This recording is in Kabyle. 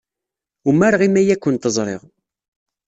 Umareɣ imi ay kent-ẓriɣ.